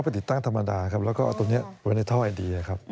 ติดตั้งธรรมดาครับแล้วก็เอาตรงนี้ไว้ในท่อไอดีครับ